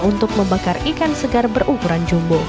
untuk membakar ikan segar berukuran jumbo